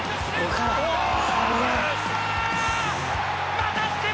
またしても。